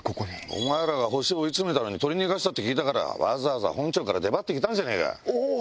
お前らがホシ追い詰めたのに取り逃がしたって聞いたからわざわざ本庁から出張ってきたんじゃねえか。